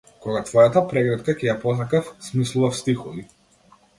Кога твојата прегратка ќе ја посакав, смислував стихови.